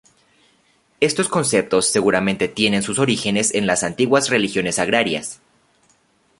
Estos conceptos seguramente tienen sus orígenes en las antiguas religiones agrarias.